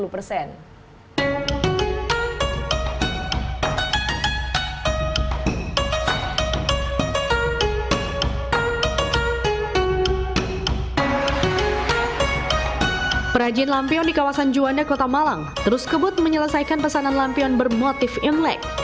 perajin lampion di kawasan juanda kota malang terus kebut menyelesaikan pesanan lampion bermotif imlek